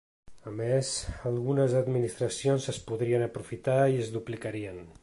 A més, algunes administracions es podrien aprofitar i es duplicarien.